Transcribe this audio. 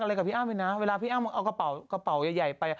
อะไรกับพี่อ้ำเลยนะเวลาพี่อ้ำเอากระเป๋ากระเป๋าใหญ่ไป